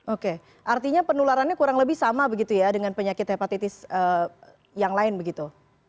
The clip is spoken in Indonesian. oke artinya penularannya kurang lebih sama begitu ya dengan penyakit hepatitis yang lain begitu